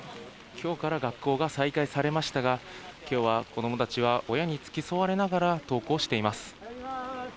今日から学校が再開されましたが、子供たちは親につき添われながら登校しています。